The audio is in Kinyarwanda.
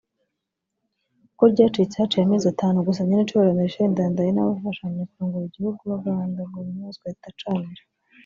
kuko ryashitse haciye amezi atanu gusa nyenicubahiro Melchior Ndadaye n’abo bafashanya kurongora igihugu bagandaguwe bunyamaswa atacamira